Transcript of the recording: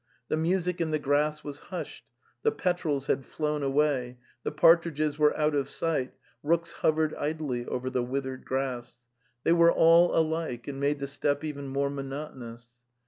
... The music in the grass was hushed, the petrels had flown away, the partridges were out of sight, rooks hovered idly over the withered grass; they were all alike and made the steppe even more monotonous.